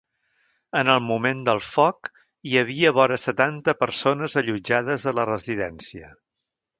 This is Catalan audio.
En el moment del foc, hi havia vora setanta persones allotjades a la residència.